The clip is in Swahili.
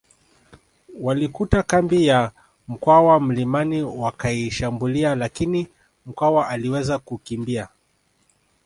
Walikuta kambi ya Mkwawa mlimani wakaishambulia lakini Mkwawa aliweza kukimbia